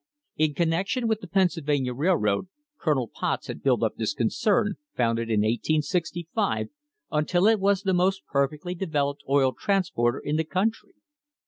In connection with the Pennsylvania Railroad Colonel Potts had built up this concern, founded in 1865, until it was the most perfectly developed oil transporter in the country.